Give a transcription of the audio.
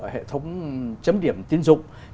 hệ thống chấm điểm tiến dụng